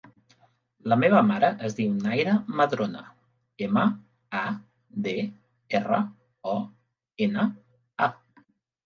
La meva mare es diu Naira Madrona: ema, a, de, erra, o, ena, a.